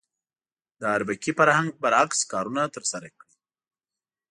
د اربکي فرهنګ برعکس کارونه ترسره کړي.